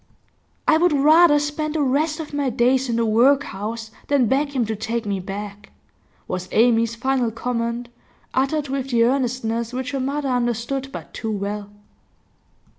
'I would rather spend the rest of my days in the workhouse than beg him to take me back,' was Amy's final comment, uttered with the earnestness which her mother understood but too well.